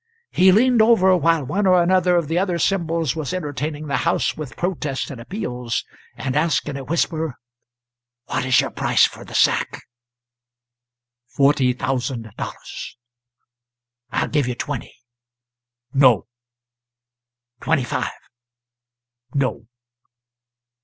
He leaned over while one or another of the other Symbols was entertaining the house with protests and appeals, and asked, in a whisper, "What is your price for the sack?" "Forty thousand dollars." "I'll give you twenty." "No." "Twenty five." "No."